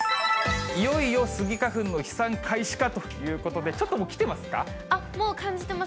いよいよスギ花粉の飛散開始かということで、あっ、もう感じてます。